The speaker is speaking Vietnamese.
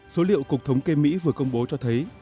số liệu cục thống kê mỹ vừa công bố cho thấy